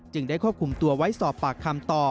ได้ควบคุมตัวไว้สอบปากคำต่อ